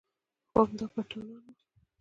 خو همدا پټانان و.